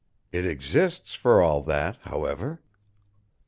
It exists for all that, however."